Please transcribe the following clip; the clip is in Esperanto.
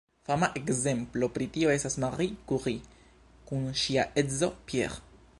Fama ekzemplo pri tio estas Marie Curie kun ŝia edzo Pierre.